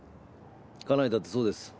家内だってそうです。